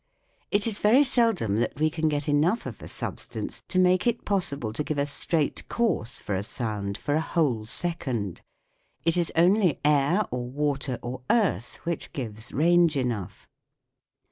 It is very seldom that we can get enough of a substance to make it possible to give a straight course for a sound for a whole second. It is only air or water or earth which gives range enough.